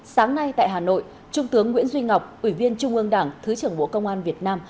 sáng nay tại hà nội trung tướng nguyễn duy ngọc ủy viên trung ương đảng thứ trưởng bộ công an việt nam